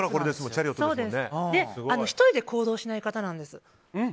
１人で行動しない方なんです。